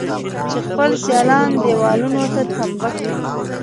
چې خپل سيالان دېوالونو ته تمبه کړي.